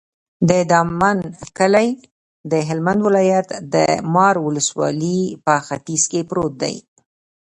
د دامن کلی د هلمند ولایت، د مار ولسوالي په ختیځ کې پروت دی.